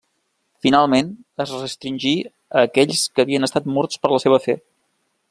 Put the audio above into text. Finalment, es restringí a aquells que havien estat morts per la seva fe.